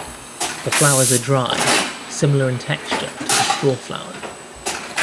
The flowers are dry, similar in texture to the strawflower.